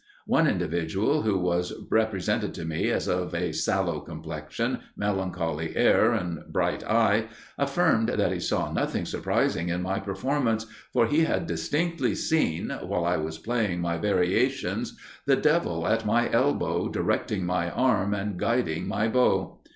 One individual, who was represented to me as of a sallow complexion, melancholy air, and bright eye, affirmed that he saw nothing surprising in my performance, for he had distinctly seen, while I was playing my variations, the devil at my elbow directing my arm and guiding my bow.